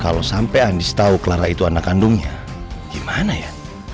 kalau sampai andis tahu clara itu anak kandungnya gimana ya